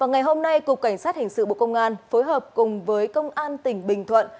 ngày hôm nay cục cảnh sát hình sự bộ công an phối hợp cùng với công an tỉnh bình thuận